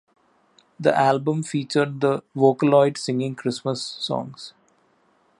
The album featured the Vocaloid singing Christmas songs.